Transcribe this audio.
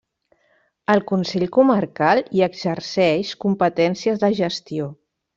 El Consell Comarcal hi exerceix competències de gestió.